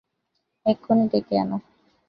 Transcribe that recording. এক্ষনি ডেকে আনো।